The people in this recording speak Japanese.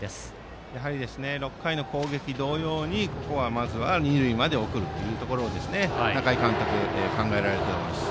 やはり６回の攻撃同様まずは二塁まで送るというのを中井監督は考えられています。